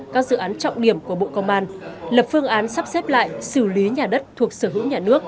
các dự án trọng điểm của bộ công an lập phương án sắp xếp lại xử lý nhà đất thuộc sở hữu nhà nước